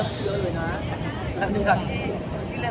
เดามาเล่น